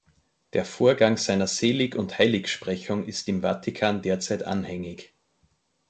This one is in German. Der Vorgang seiner Selig- und Heiligsprechung ist im Vatikan derzeit anhängig.